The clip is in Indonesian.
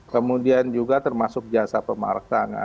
kemudian juga termasuk jasa pemarsang